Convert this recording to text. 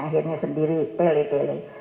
akhirnya sendiri tele tele